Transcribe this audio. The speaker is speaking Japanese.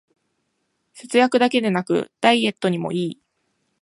節約だけでなくダイエットにもいい